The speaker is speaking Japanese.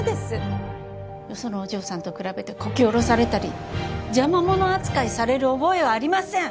よそのお嬢さんと比べてこき下ろされたり邪魔者扱いされる覚えはありません。